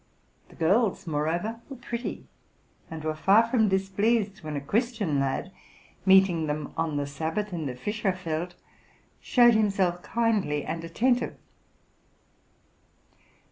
The girls, moreover, were pretty, and were far from dis pleased when a Christian lad, meeting them on the sabbath in the Fischerfeld, showed himself kindly and attentive.